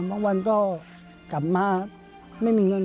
บางวันก็กลับมาไม่มีเงิน